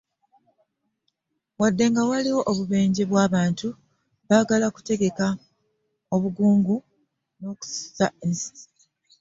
Wadde nga waliwo obubinja bw'abantu abaagala okutegeka obwegugungo n'okutiisatiisa bannansi.